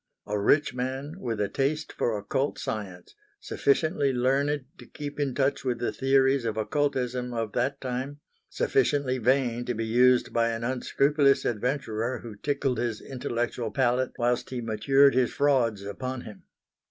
A rich man with a taste for occult science; sufficiently learned to keep in touch with the theories of occultism of that time; sufficiently vain to be used by an unscrupulous adventurer who tickled his intellectual palate whilst he matured his frauds upon him.